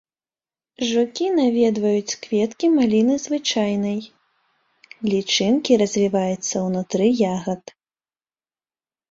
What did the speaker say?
Жукі наведваюць кветкі маліны звычайнай, лічынкі развіваюцца ўнутры ягад.